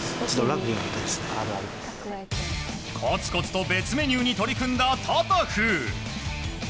コツコツと別メニューに取り組んだタタフ。